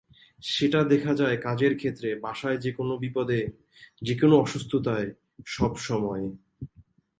সেটা দেখা যায় কাজের ক্ষেত্রে, বাসায়, যেকোনো বিপদে, যেকোনো অসুস্থতায়—সব সময়।